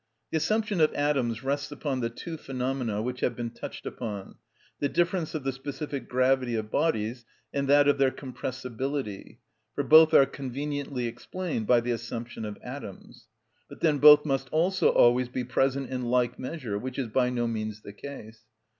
The assumption of atoms rests upon the two phenomena which have been touched upon, the difference of the specific gravity of bodies and that of their compressibility, for both are conveniently explained by the assumption of atoms. But then both must also always be present in like measure, which is by no means the case.